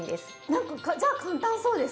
何かじゃあ簡単そうです